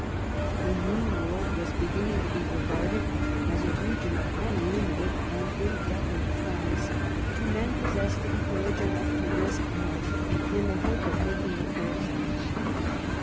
The New World was beginning to be regarded as a region of unlimited and indefinite promise to men possessed of courage enough to risk much in the hope of making a fortune.